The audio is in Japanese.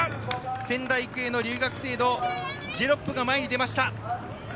仙台育英の留学生、ジェロップが前に出ました。